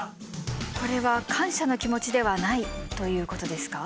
これは感謝の気持ちではないということですか？